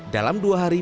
dalam dua hari